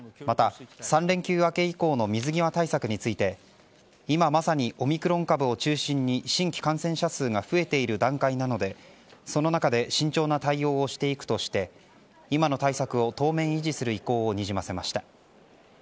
また、３連休明け以降の水際対策について今、まさにオミクロン株を中心に新規感染者数が増えている段階なのでその中で慎重な対応をしていくとして今の対策を当面維持する意向をにじませました。